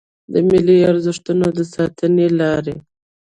د ملي ارزښتونو د ساتنې لارې